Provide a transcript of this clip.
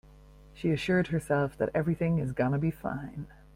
She assured herself that everything is gonna be fine.